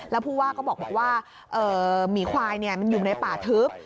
แล้วผู้ว่าก็บอกว่าหมีควายมันอยู่ในป่าทึบ